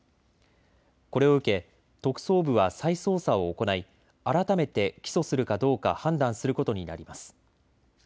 これを受け特捜部は再捜査を行い改めて起訴するかどうか判断することになります。